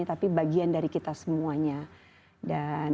iya iya bagi badan seseorang kita juga mao white dikasih saran